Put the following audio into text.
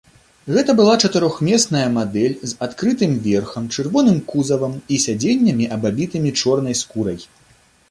Гэта была чатырохмесная мадэль з адкрытым верхам, чырвоным кузавам і сядзеннямі, абабітымі чорнай скурай.